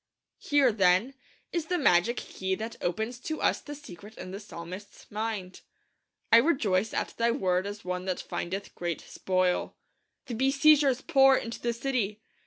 Here, then, is the magic key that opens to us the secret in the psalmist's mind. 'I rejoice at Thy Word as one that findeth great spoil.' The besiegers pour into the city.